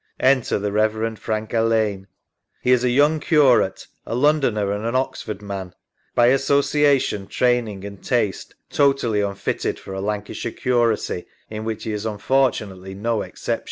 [Enter the Rev. Frank Alleyne. He is a young curate, a Londoner and an Oxford man, by association, training, and taste, totally unfitted for a Lancashire curacy, in which he is unfortunately no exception.